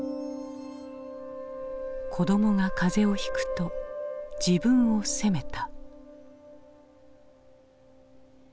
子どもが風邪をひくと自分を責めた。